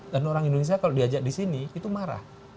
dan orang indonesia kalau diajak di sini itu marah